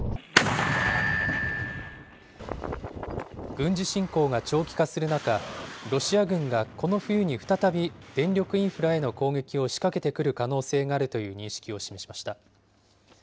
軍事侵攻が長期化する中、ロシア軍がこの冬に再び電力インフラへの攻撃を仕掛けてくる可能性があるという認識を示しました。